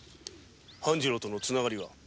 半次郎とのつながりは？